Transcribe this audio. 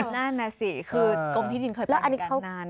นั่นสิคือกรมที่ดินเคยไปบริการนาน